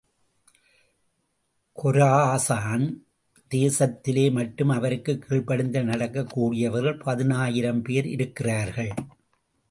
Khorasan தேசத்திலே மட்டும் அவருக்குக் கீழ்ப்படிந்து நடக்கக் கூடியவர்கள் பதினாயிரம் பேர் இருக்கிறார்கள்.